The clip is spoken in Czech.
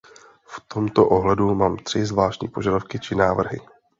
V tomto ohledu mám tři zvláštní požadavky či návrhy.